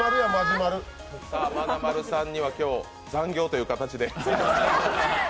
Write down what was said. まなまるさんには、今日、残業という形で。